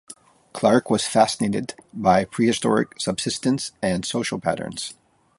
Clark was fascinated by prehistoric subsistence and social patterns.